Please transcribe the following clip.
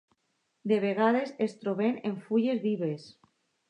De vegades es troben en fulles vives.